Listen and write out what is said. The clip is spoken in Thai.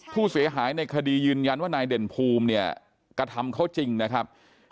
ผู้เสียหายในคดียืนยันว่านายเด่นภูมิเนี่ยกระทำเขาจริงนะครับ